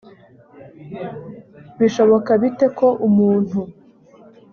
bishoboka bite ko umuntu